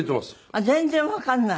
あっ全然わかんない。